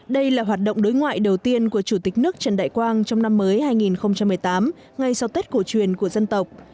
đây là hoạt động đối ngoại đầu tiên của chủ tịch nước trần đại quang trong năm mới hai nghìn một mươi tám ngay sau tết cổ truyền của dân tộc